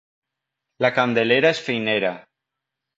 La Candelera és feinera.